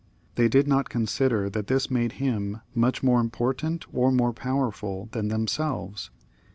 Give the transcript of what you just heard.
They did not consider that this made him much mo^ important or more powerful than themselves.